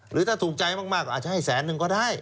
หรือถ้าถูกใจมากอาจจะให้แสนนึงก็ได้